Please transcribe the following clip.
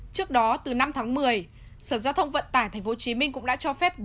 trước đó từ năm tháng một mươi sở giao thông vận tải tp hcm cũng đã cho phép